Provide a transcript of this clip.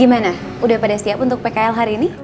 gimana udah pada siap untuk pkl hari ini